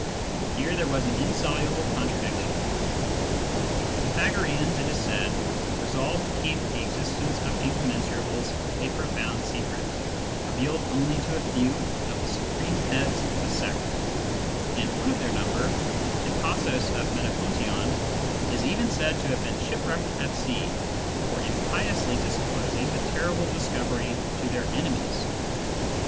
Here there was an insoluble contradiction. The Pythagoreans, it is said, resolved to keep the existence of incommensurables a profound secret, revealed only to a few of the supreme heads of the sect ; and one of their number, Hippasos of Metapontion, is even said to have been shipwrecked at sea for impiously disclosing the terrible discovery to their enemies.